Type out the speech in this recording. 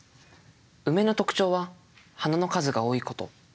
ウメの特徴は花の数が多いこと。